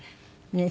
ねえ。